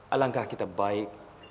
alangkah kita baik